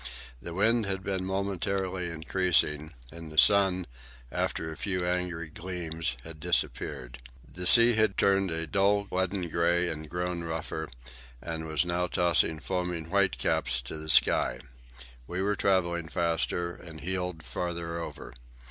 The wind had been momentarily increasing, and the sun, after a few angry gleams, had disappeared. The sea had turned a dull leaden grey and grown rougher, and was now tossing foaming whitecaps to the sky. We were travelling faster, and heeled farther over.